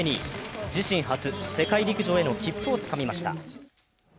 自身初世界陸上への切符をつかみました。